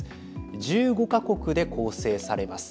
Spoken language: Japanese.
１５か国で構成されます。